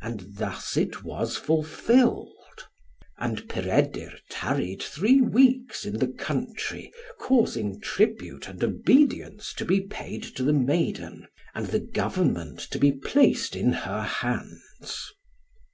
And thus it was fulfilled. And Peredur tarried three weeks in the country, causing tribute and obedience to be paid to the maiden, and the government to be placed in her hands.